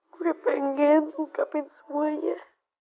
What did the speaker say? gue pengen ungkapin semuanya